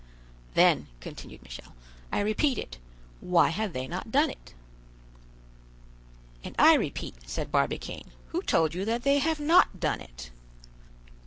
"Then," continued Michel, "I repeat it, why have they not done it?" "And I repeat," said Barbicane; "who told you that they have not done it?"